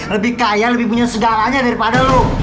lebih kaya lebih punya segalanya daripada lo